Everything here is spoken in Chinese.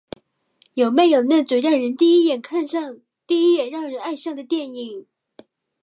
有没有那种第一眼就让人爱上的电影？